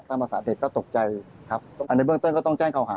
ภาษาเด็กก็ตกใจครับอันนี้เบื้องต้นก็ต้องแจ้งเขาหา